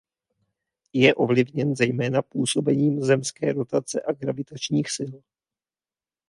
Je ovlivněn zejména působením zemské rotace a gravitačních sil.